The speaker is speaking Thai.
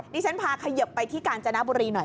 ดิฉันพาเขยิบไปที่กาญจนบุรีหน่อย